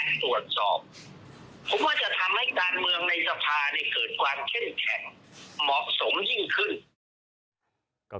เนี่ยเกิดกว้างเข้นแข็งมอบสมยิ่งขึ้น